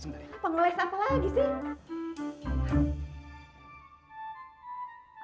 pengeles apa lagi sih